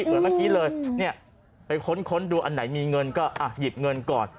เหมือนเมื่อกี้เลยเนี่ยไปค้นดูอันไหนมีเงินก็หยิบเงินก่อน